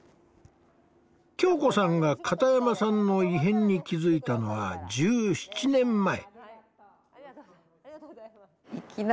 恭子さんが片山さんの異変に気付いたのは１７年前。